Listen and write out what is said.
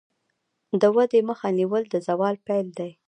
د ودې مخه نیول د زوال پیل دی.